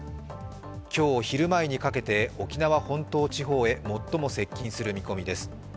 今日昼前にかけて、沖縄本島地方へ最も接近する見込みです。